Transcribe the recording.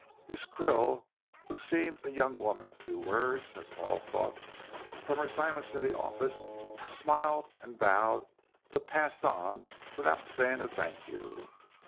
Miss Krill, who seemed a young woman of few words, as Paul thought from her silence in the office, smiled and bowed, but passed on, without saying a "thank you."